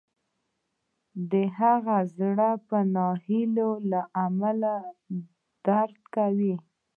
د هغې زړه به د ناهیلۍ له امله درد کاوه